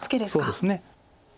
そうですね。